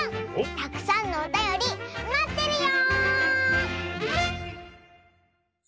たくさんのおたよりまってるよ！